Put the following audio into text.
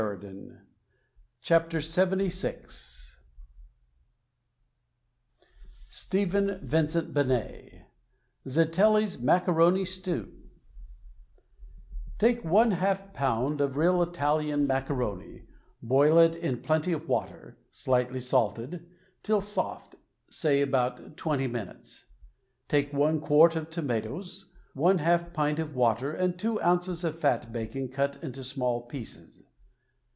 THE STAG COOK BOOK LXXVI Stephen Vincent Benet ZITELLFS MACARONI STEW Take one half pound of real Italian macaroni, boil it in plenty of water, slightly salted, till soft, say, about twenty minutes; take one quart of tomatoes, one half pint of water and two ounces of fat bacon cut into small pieces.